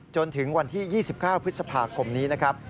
จนถึงวันที่๒๙พฤษภาคมนี้นะครับ